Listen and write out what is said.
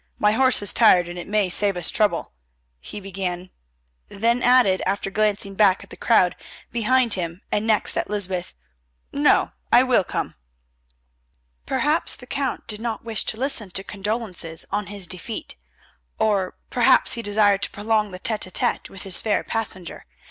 My horse is tired and it may save us trouble," he began, then added, after glancing back at the crowd behind him and next at Lysbeth, "no, I will come." Perhaps the Count did not wish to listen to condolences on his defeat, or perhaps he desired to prolong the tête à tête with his fair passenger.